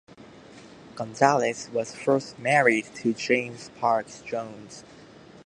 Gonzalez was first married to James Parks Jones.